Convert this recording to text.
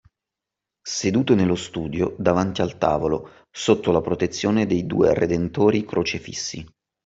Seduto nello studio, davanti al tavolo, sotto la protezione dei due Redentori crocefissi